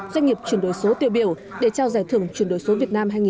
doanh nghiệp chuyển đổi số tiêu biểu để trao giải thưởng chuyển đổi số việt nam hai nghìn hai mươi